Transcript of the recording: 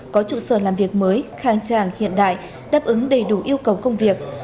có trụ sở làm việc mới khang trang hiện đại đáp ứng đầy đủ yêu cầu công việc